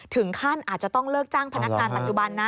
ถึงขั้นอาจจะต้องเลิกจ้างพนักการปัจจุบันนะ